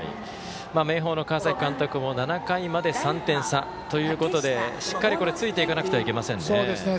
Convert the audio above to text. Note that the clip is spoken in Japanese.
明豊の川崎監督も７回まで３点差ということでしっかりついていかなければいけないですね。